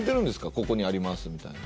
ここにありますみたいな。